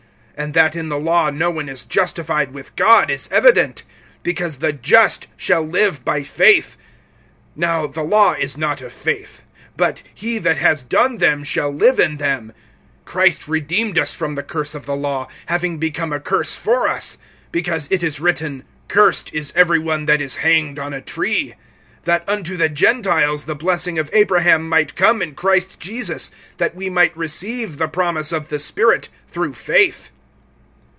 (11)And that in the law no one is justified with God, is evident; because, the just shall live by faith. (12)Now the law is not of faith; but, he that has done them shall live in them. (13)Christ redeemed us from the curse of the law, having become a curse for us; because it is written: Cursed is every one that is hanged on a tree; (14)that unto the Gentiles the blessing of Abraham might come in Christ Jesus, that we might receive the promise of the Spirit through faith.